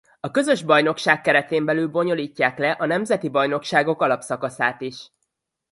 A közös bajnokság keretén belül bonyolítják le a nemzeti bajnokságok alapszakaszát is.